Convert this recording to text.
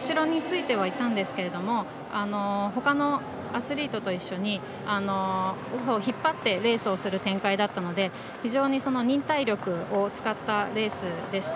後ろについてはいたんですけどもほかのアスリートと一緒に引っ張ってレースをする展開だったので非常に忍耐力を使ったレースでした。